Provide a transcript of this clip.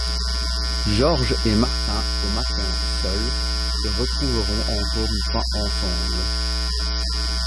George et Martha, au matin, seuls, se retrouveront encore une fois ensemble.